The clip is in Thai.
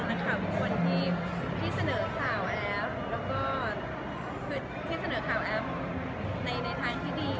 สำหรับคนที่เสนอข่าวแอฟแล้วก็คือที่เสนอข่าวแอฟในทางที่ดี